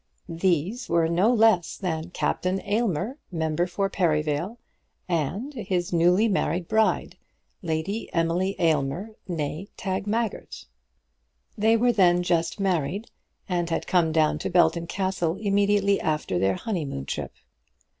These were no less than Captain Aylmer, member for Perivale, and his newly married bride, Lady Emily Aylmer, née Tagmaggert. They were then just married, and had come down to Belton Castle immediately after their honeymoon trip.